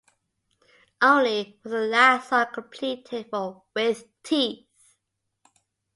"Only" was the last song completed for "With Teeth".